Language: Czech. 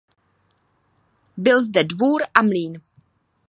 Byl zde dvůr a mlýn.